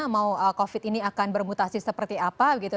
mau covid ini akan bermutasi seperti apa gitu